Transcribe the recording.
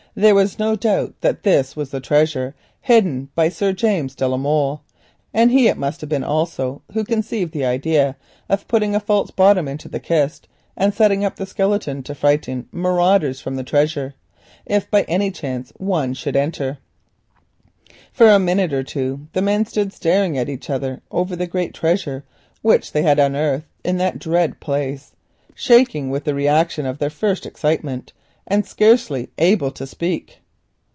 There was no doubt that this was the treasure hidden by Sir James de la Molle. He it must have been also who had conceived the idea of putting a false bottom to the kist and setting up the skeleton to frighten marauders from the treasure, if by any chance they should enter. For a minute or two the men stood staring at each other over the great treasure which they had unearthed in that dread place, shaking with the reaction of their first excitement, and scarcely able to speak.